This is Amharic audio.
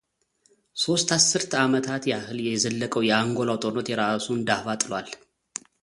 ሦስት አስርት ዓመታት ያህል የዘለቀው የአንጎላው ጦርነት የራሱን ዳፋ ጥሏል።